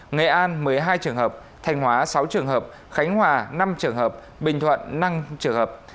nghệ an một mươi hai trường hợp thanh hóa sáu trường hợp khánh hòa năm trường hợp bình thuận năm trường hợp